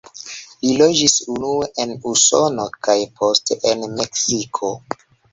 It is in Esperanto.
Li loĝis unue en Usono kaj poste en Meksiko.